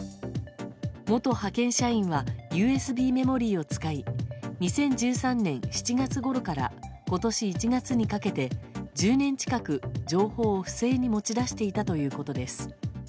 元派遣社員はＵＳＢメモリーを使い２０１３年７月ごろから今年１月にかけて１０年近く、情報を不正に持ち出していたということです。